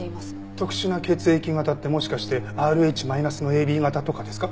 特殊な血液型ってもしかしてＲｈマイナスのＡＢ型とかですか？